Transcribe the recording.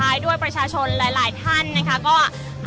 อาจจะออกมาใช้สิทธิ์กันแล้วก็จะอยู่ยาวถึงในข้ามคืนนี้เลยนะคะ